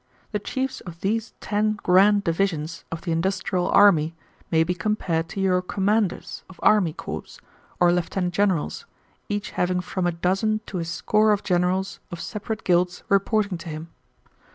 The chiefs of these ten grand divisions of the industrial army may be compared to your commanders of army corps, or lieutenant generals, each having from a dozen to a score of generals of separate guilds reporting to him.